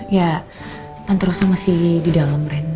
nanti terusnya di dalam ren